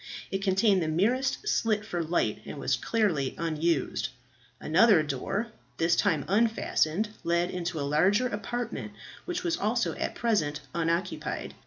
It contained the merest slit for light, and was clearly unused. Another door, this time unfastened, led into a larger apartment, which was also at present unoccupied.